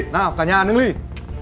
nào cả nhà nâng ly